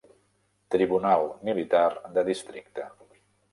Tribunal Militar de Districte.